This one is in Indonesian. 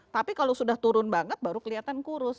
tapi kalau sudah turun banget baru kelihatan kurus